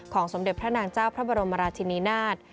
สมเด็จพระนางเจ้าพระบรมราชินีนาฏ